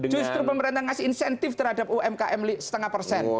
justru pemerintah ngasih insentif terhadap umkm setengah persen